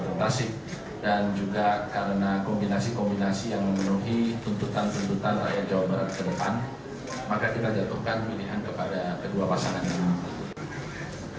maka kita jatuhkan pilihan kepada kedua pasangan yang memimpin